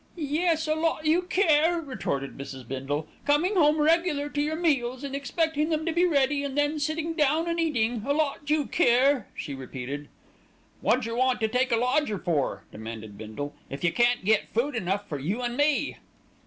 "Yes, a lot you care!" retorted Mrs. Bindle, "coming home regular to your meals and expecting them to be ready, and then sitting down and eating. A lot you care!" she repeated. "Wot jer want to take a lodger for," demanded Bindle, "if you can't get food enough for you an' me?"